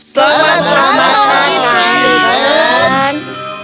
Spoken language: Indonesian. selamat selamat malam ethan